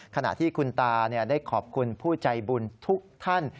ขณะที่คุณตาได้ขอบคุณผู้ใจบุญทุกท่าน